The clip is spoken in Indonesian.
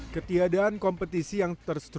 ketika menang kemudian menang